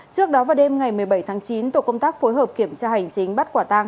trước đó vào đêm ngày một mươi bảy tháng chín tổ công tác phối hợp kiểm tra hành chính bắt quả tang